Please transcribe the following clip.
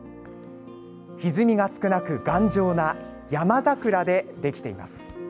ひずみが少なく頑丈な山桜でできています。